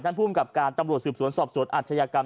ท่านผู้จำกับการตำรวจสืบสวนสอบสวนอัจฉยกรรม